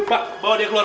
pak bawa dia keluar